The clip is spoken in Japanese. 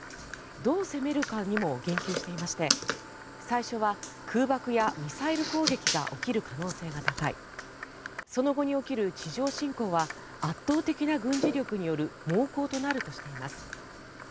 どう攻めるかにも言及していまして最初は空爆やミサイル攻撃が起きる可能性が高いその後に起きる地上侵攻は圧倒的な軍事力による猛攻となるとしています。